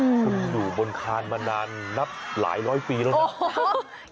คุณอยู่บนคานมานานนับหลายร้อยปีแล้วนะ